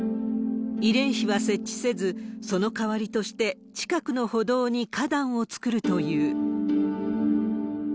慰霊碑は設置せず、そのかわりとして、近くの歩道に花壇を作るという。